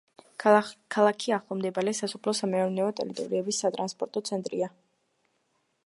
ქალაქი ახლომდებარე სასოფლო-სამეურნეო ტერიტორიების სატრანსპორტო ცენტრია.